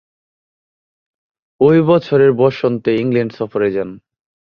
ঐ বছরের বসন্তে ইংল্যান্ড সফরে যান।